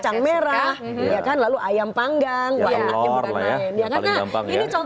enggak aku enggak love and